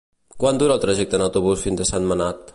Quant dura el trajecte en autobús fins a Sentmenat?